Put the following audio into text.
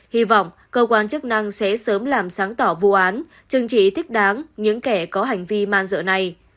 hy vọng cơ quan chức năng sẽ sớm làm sáng tỏ vụ án chứng chỉ thích đáng những kẻ có hành vi man dựa này